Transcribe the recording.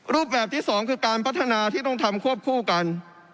รูปแบบที่สองคือการพัฒนาที่ต้องทำควบคู่กัน